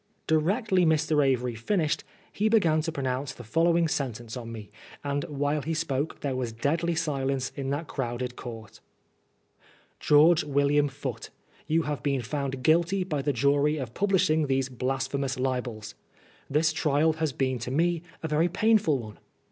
Directly Mr. Avory finished he began to pronounce the following sentence on me, and while he spoke there was deadly silence in that crowded court :— "George William Foote, you have been found Guilty by the jury of publishing these bla^hemouB libels. This trial has been to me a very punf nl one.